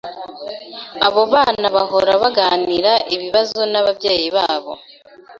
Abo bana bahora bagirana ibibazo nababyeyi babo.